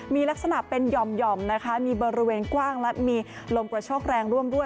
มีลักษณะเป็นหย่อมนะคะมีบริเวณกว้างและมีลมกระโชคแรงร่วมด้วย